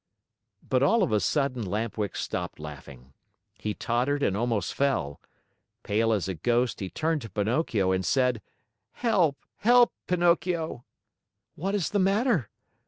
But all of a sudden Lamp Wick stopped laughing. He tottered and almost fell. Pale as a ghost, he turned to Pinocchio and said: "Help, help, Pinocchio!" "What is the matter?"